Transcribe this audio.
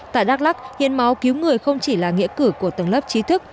tại đắk lắc hiến máu cứu người không chỉ là nghĩa cử của tầng lớp trí thức